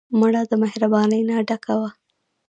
مړه د مهربانۍ نه ډکه وه